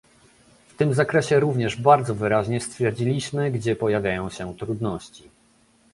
W tym zakresie również bardzo wyraźnie stwierdziliśmy, gdzie pojawiają się trudności